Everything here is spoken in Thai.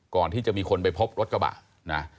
ก่อนที่จะมีคนไปพบรถกระบะนะ